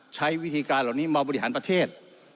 ใช้วิธีการเหล่านี้มาบริหารประเทศ